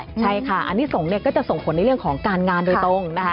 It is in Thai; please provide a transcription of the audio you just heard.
ใช่ค่ะอันนี้ส่งเนี่ยก็จะส่งผลในเรื่องของการงานโดยตรงนะคะ